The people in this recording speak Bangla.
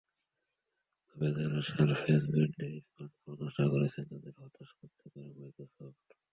তবে যাঁরা সারফেস ব্র্যান্ডের স্মার্টফোন আশা করছেন তাঁদের হতাশ করতে পারে মাইক্রোসফট।